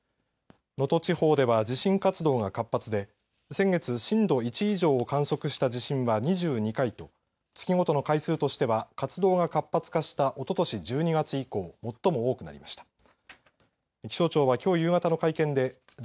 能登地方では地震活動が活発で先月震度１以上を観測した地震は２２回と月ごとの回数としては活動が活発化したおととし１２月以降最も多くなりました。